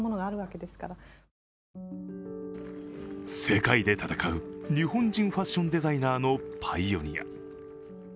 世界で闘う日本人ファッションデザイナーのパイオニア。